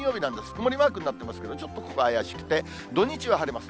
曇りマークになってますけど、ちょっとここが怪しくて、土日は晴れます。